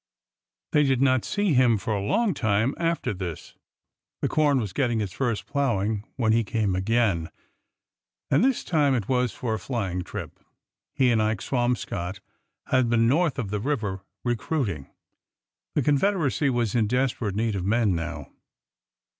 They did not see him for a long time after this. The com was getting its first plowing when he came again. And this time it was for a flying trip. He and Ike Swam scott had been north of the river recruiting— the Confed eracy was in desperate need of men now.